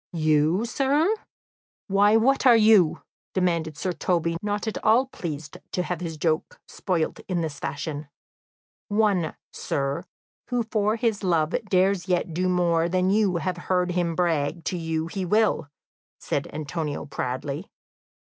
"You, sir! Why, what are you?" demanded Sir Toby, not at all pleased to have his joke spoilt in this fashion. "One, sir, who for his love dares yet do more than you have heard him brag to you he will," said Antonio proudly.